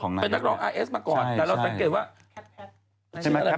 เป็นนักร้องอาร์เอสมาก่อนแต่เราตัดเก็บว่า